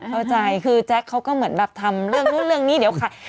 เข้าใจคือแจ๊คเขาก็เหมือนแบบทำเรื่องนู้นเรื่องนี้เดี๋ยวขาย